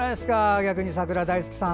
逆に、さくら大好きさん。